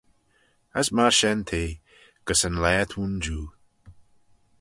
As myr shen t'eh, gys yn laa t'ayn jiu.